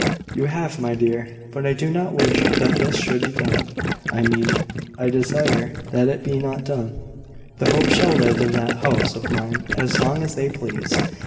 "You have, my dear; but I do not wish that this should be done. I mean, I desire that it be not done. The Hopes shall live in that house of mine as long as they please.